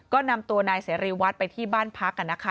ก็นำตัวนายเสรีวัตรไปที่บ้านพักนะคะ